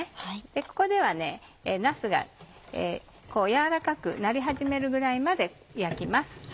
ここではなすが軟らかくなり始めるぐらいまで焼きます。